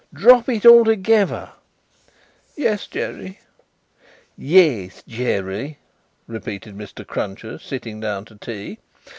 Drop it altogether." "Yes, Jerry." "Yes, Jerry," repeated Mr. Cruncher sitting down to tea.